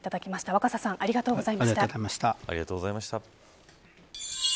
若狭さんありがとうございました。